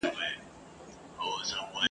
استاد وویل چي سرتېري لاره ورکه کړه.